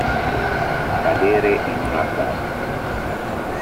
Cadere in un abbaglio.